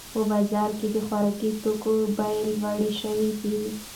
په بازار کې د خوراکي توکو بیې لوړې شوې دي.